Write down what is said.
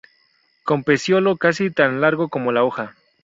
Con pecíolo casi tan largo como la hoja.